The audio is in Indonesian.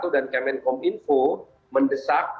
dan kemenkominfo mendesak